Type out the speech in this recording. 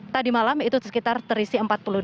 tadi malam itu sekitar terisi empat puluh dua